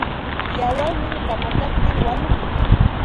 Wayarnin kamakaptin wanukun.